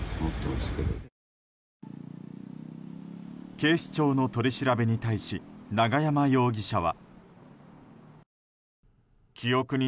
警視庁の取り調べに対し永山容疑者は。